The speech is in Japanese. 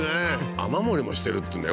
雨漏りもしてるっていうんだよ